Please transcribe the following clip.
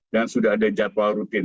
dan sudah ada jadwal rutin